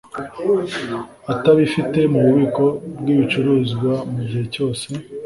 atabifite mu bubiko bw ibicuruzwa mu gihe cyose